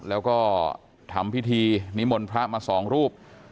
แล้วก็ทำพิธีนิมนต์พระมาสองรูป